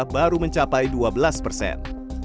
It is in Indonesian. baru mencapai dua belas persen